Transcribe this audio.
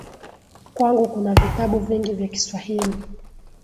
Kwangu kuna vitabu vingi vya kiswahili.